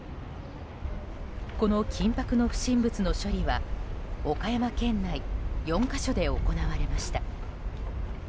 この緊迫の不審物の処理は岡山県内４か所で行われました。